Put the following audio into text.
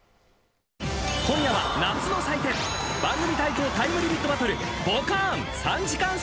今夜は夏の祭典「番組対抗タイムリミットバトルボカーン！」